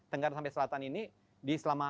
tengger sampai selatan ini di selama